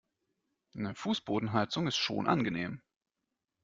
Eine Fußbodenheizung ist schon angenehm.